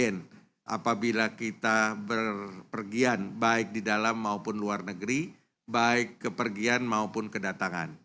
apabila kita berpergian baik di dalam maupun luar negeri baik kepergian maupun kedatangan